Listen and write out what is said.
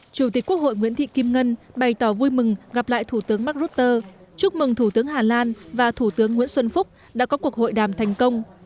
chủ tịch quốc hội nguyễn thị kim ngân bày tỏ vui mừng gặp lại thủ tướng mark rutte chúc mừng thủ tướng hà lan và thủ tướng nguyễn xuân phúc đã có cuộc hội đàm thành công